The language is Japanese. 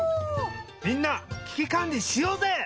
みんなききかんりしようぜ！